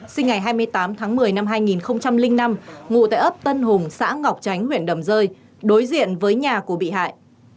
sinh ngày hai mươi tám tháng một mươi năm hai nghìn năm ngụ tại ấp tân hùng xã ngọc chánh huyện đầm rơi đối diện với nhà của bị hại